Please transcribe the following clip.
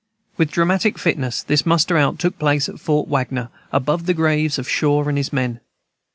With dramatic fitness this muster out took place at Fort Wagner, above the graves of Shaw and his men.